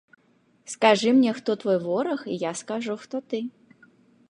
Скажы мне, хто твой вораг, і я скажу, хто ты.